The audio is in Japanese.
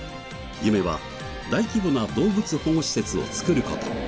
夢は大規模な動物保護施設を作る事。